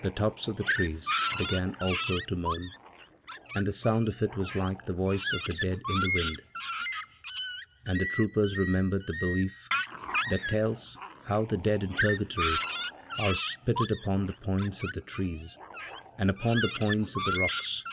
The tops of the trees began also to moan, and thesound of it was like the voice of the dead in the wind; and thetroopers remembered the belief that tells how the dead in purgatoryare spitted upon the points of the trees and upon the points of therocks.